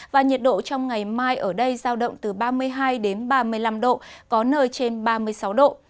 và nhiệt độ trong ngày mai ở đây giao động từ ba mươi hai đến ba mươi năm độ có nơi trên ba mươi sáu độ